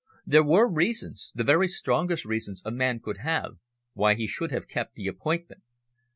There were reasons the very strongest reasons a man could have why he should have kept the appointment.